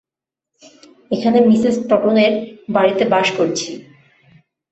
এখানে মিসেস টটনের বাড়ীতে বাস করছি।